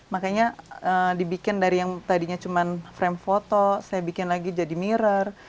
makanya dibikin dari yang tadinya cuma frame foto saya bikin lagi jadi mirror